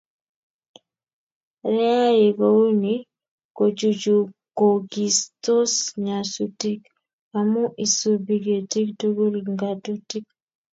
Ngreyai kouni kochuchukokistos nyasutik amu isubi ketik tugul ngatutik